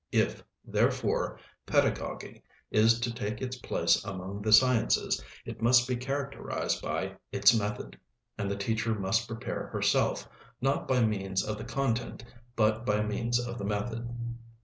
If, therefore, pedagogy is to take its place among the sciences, it must be characterized by its method; and the teacher must prepare herself, not by means of the content, but by means of the method.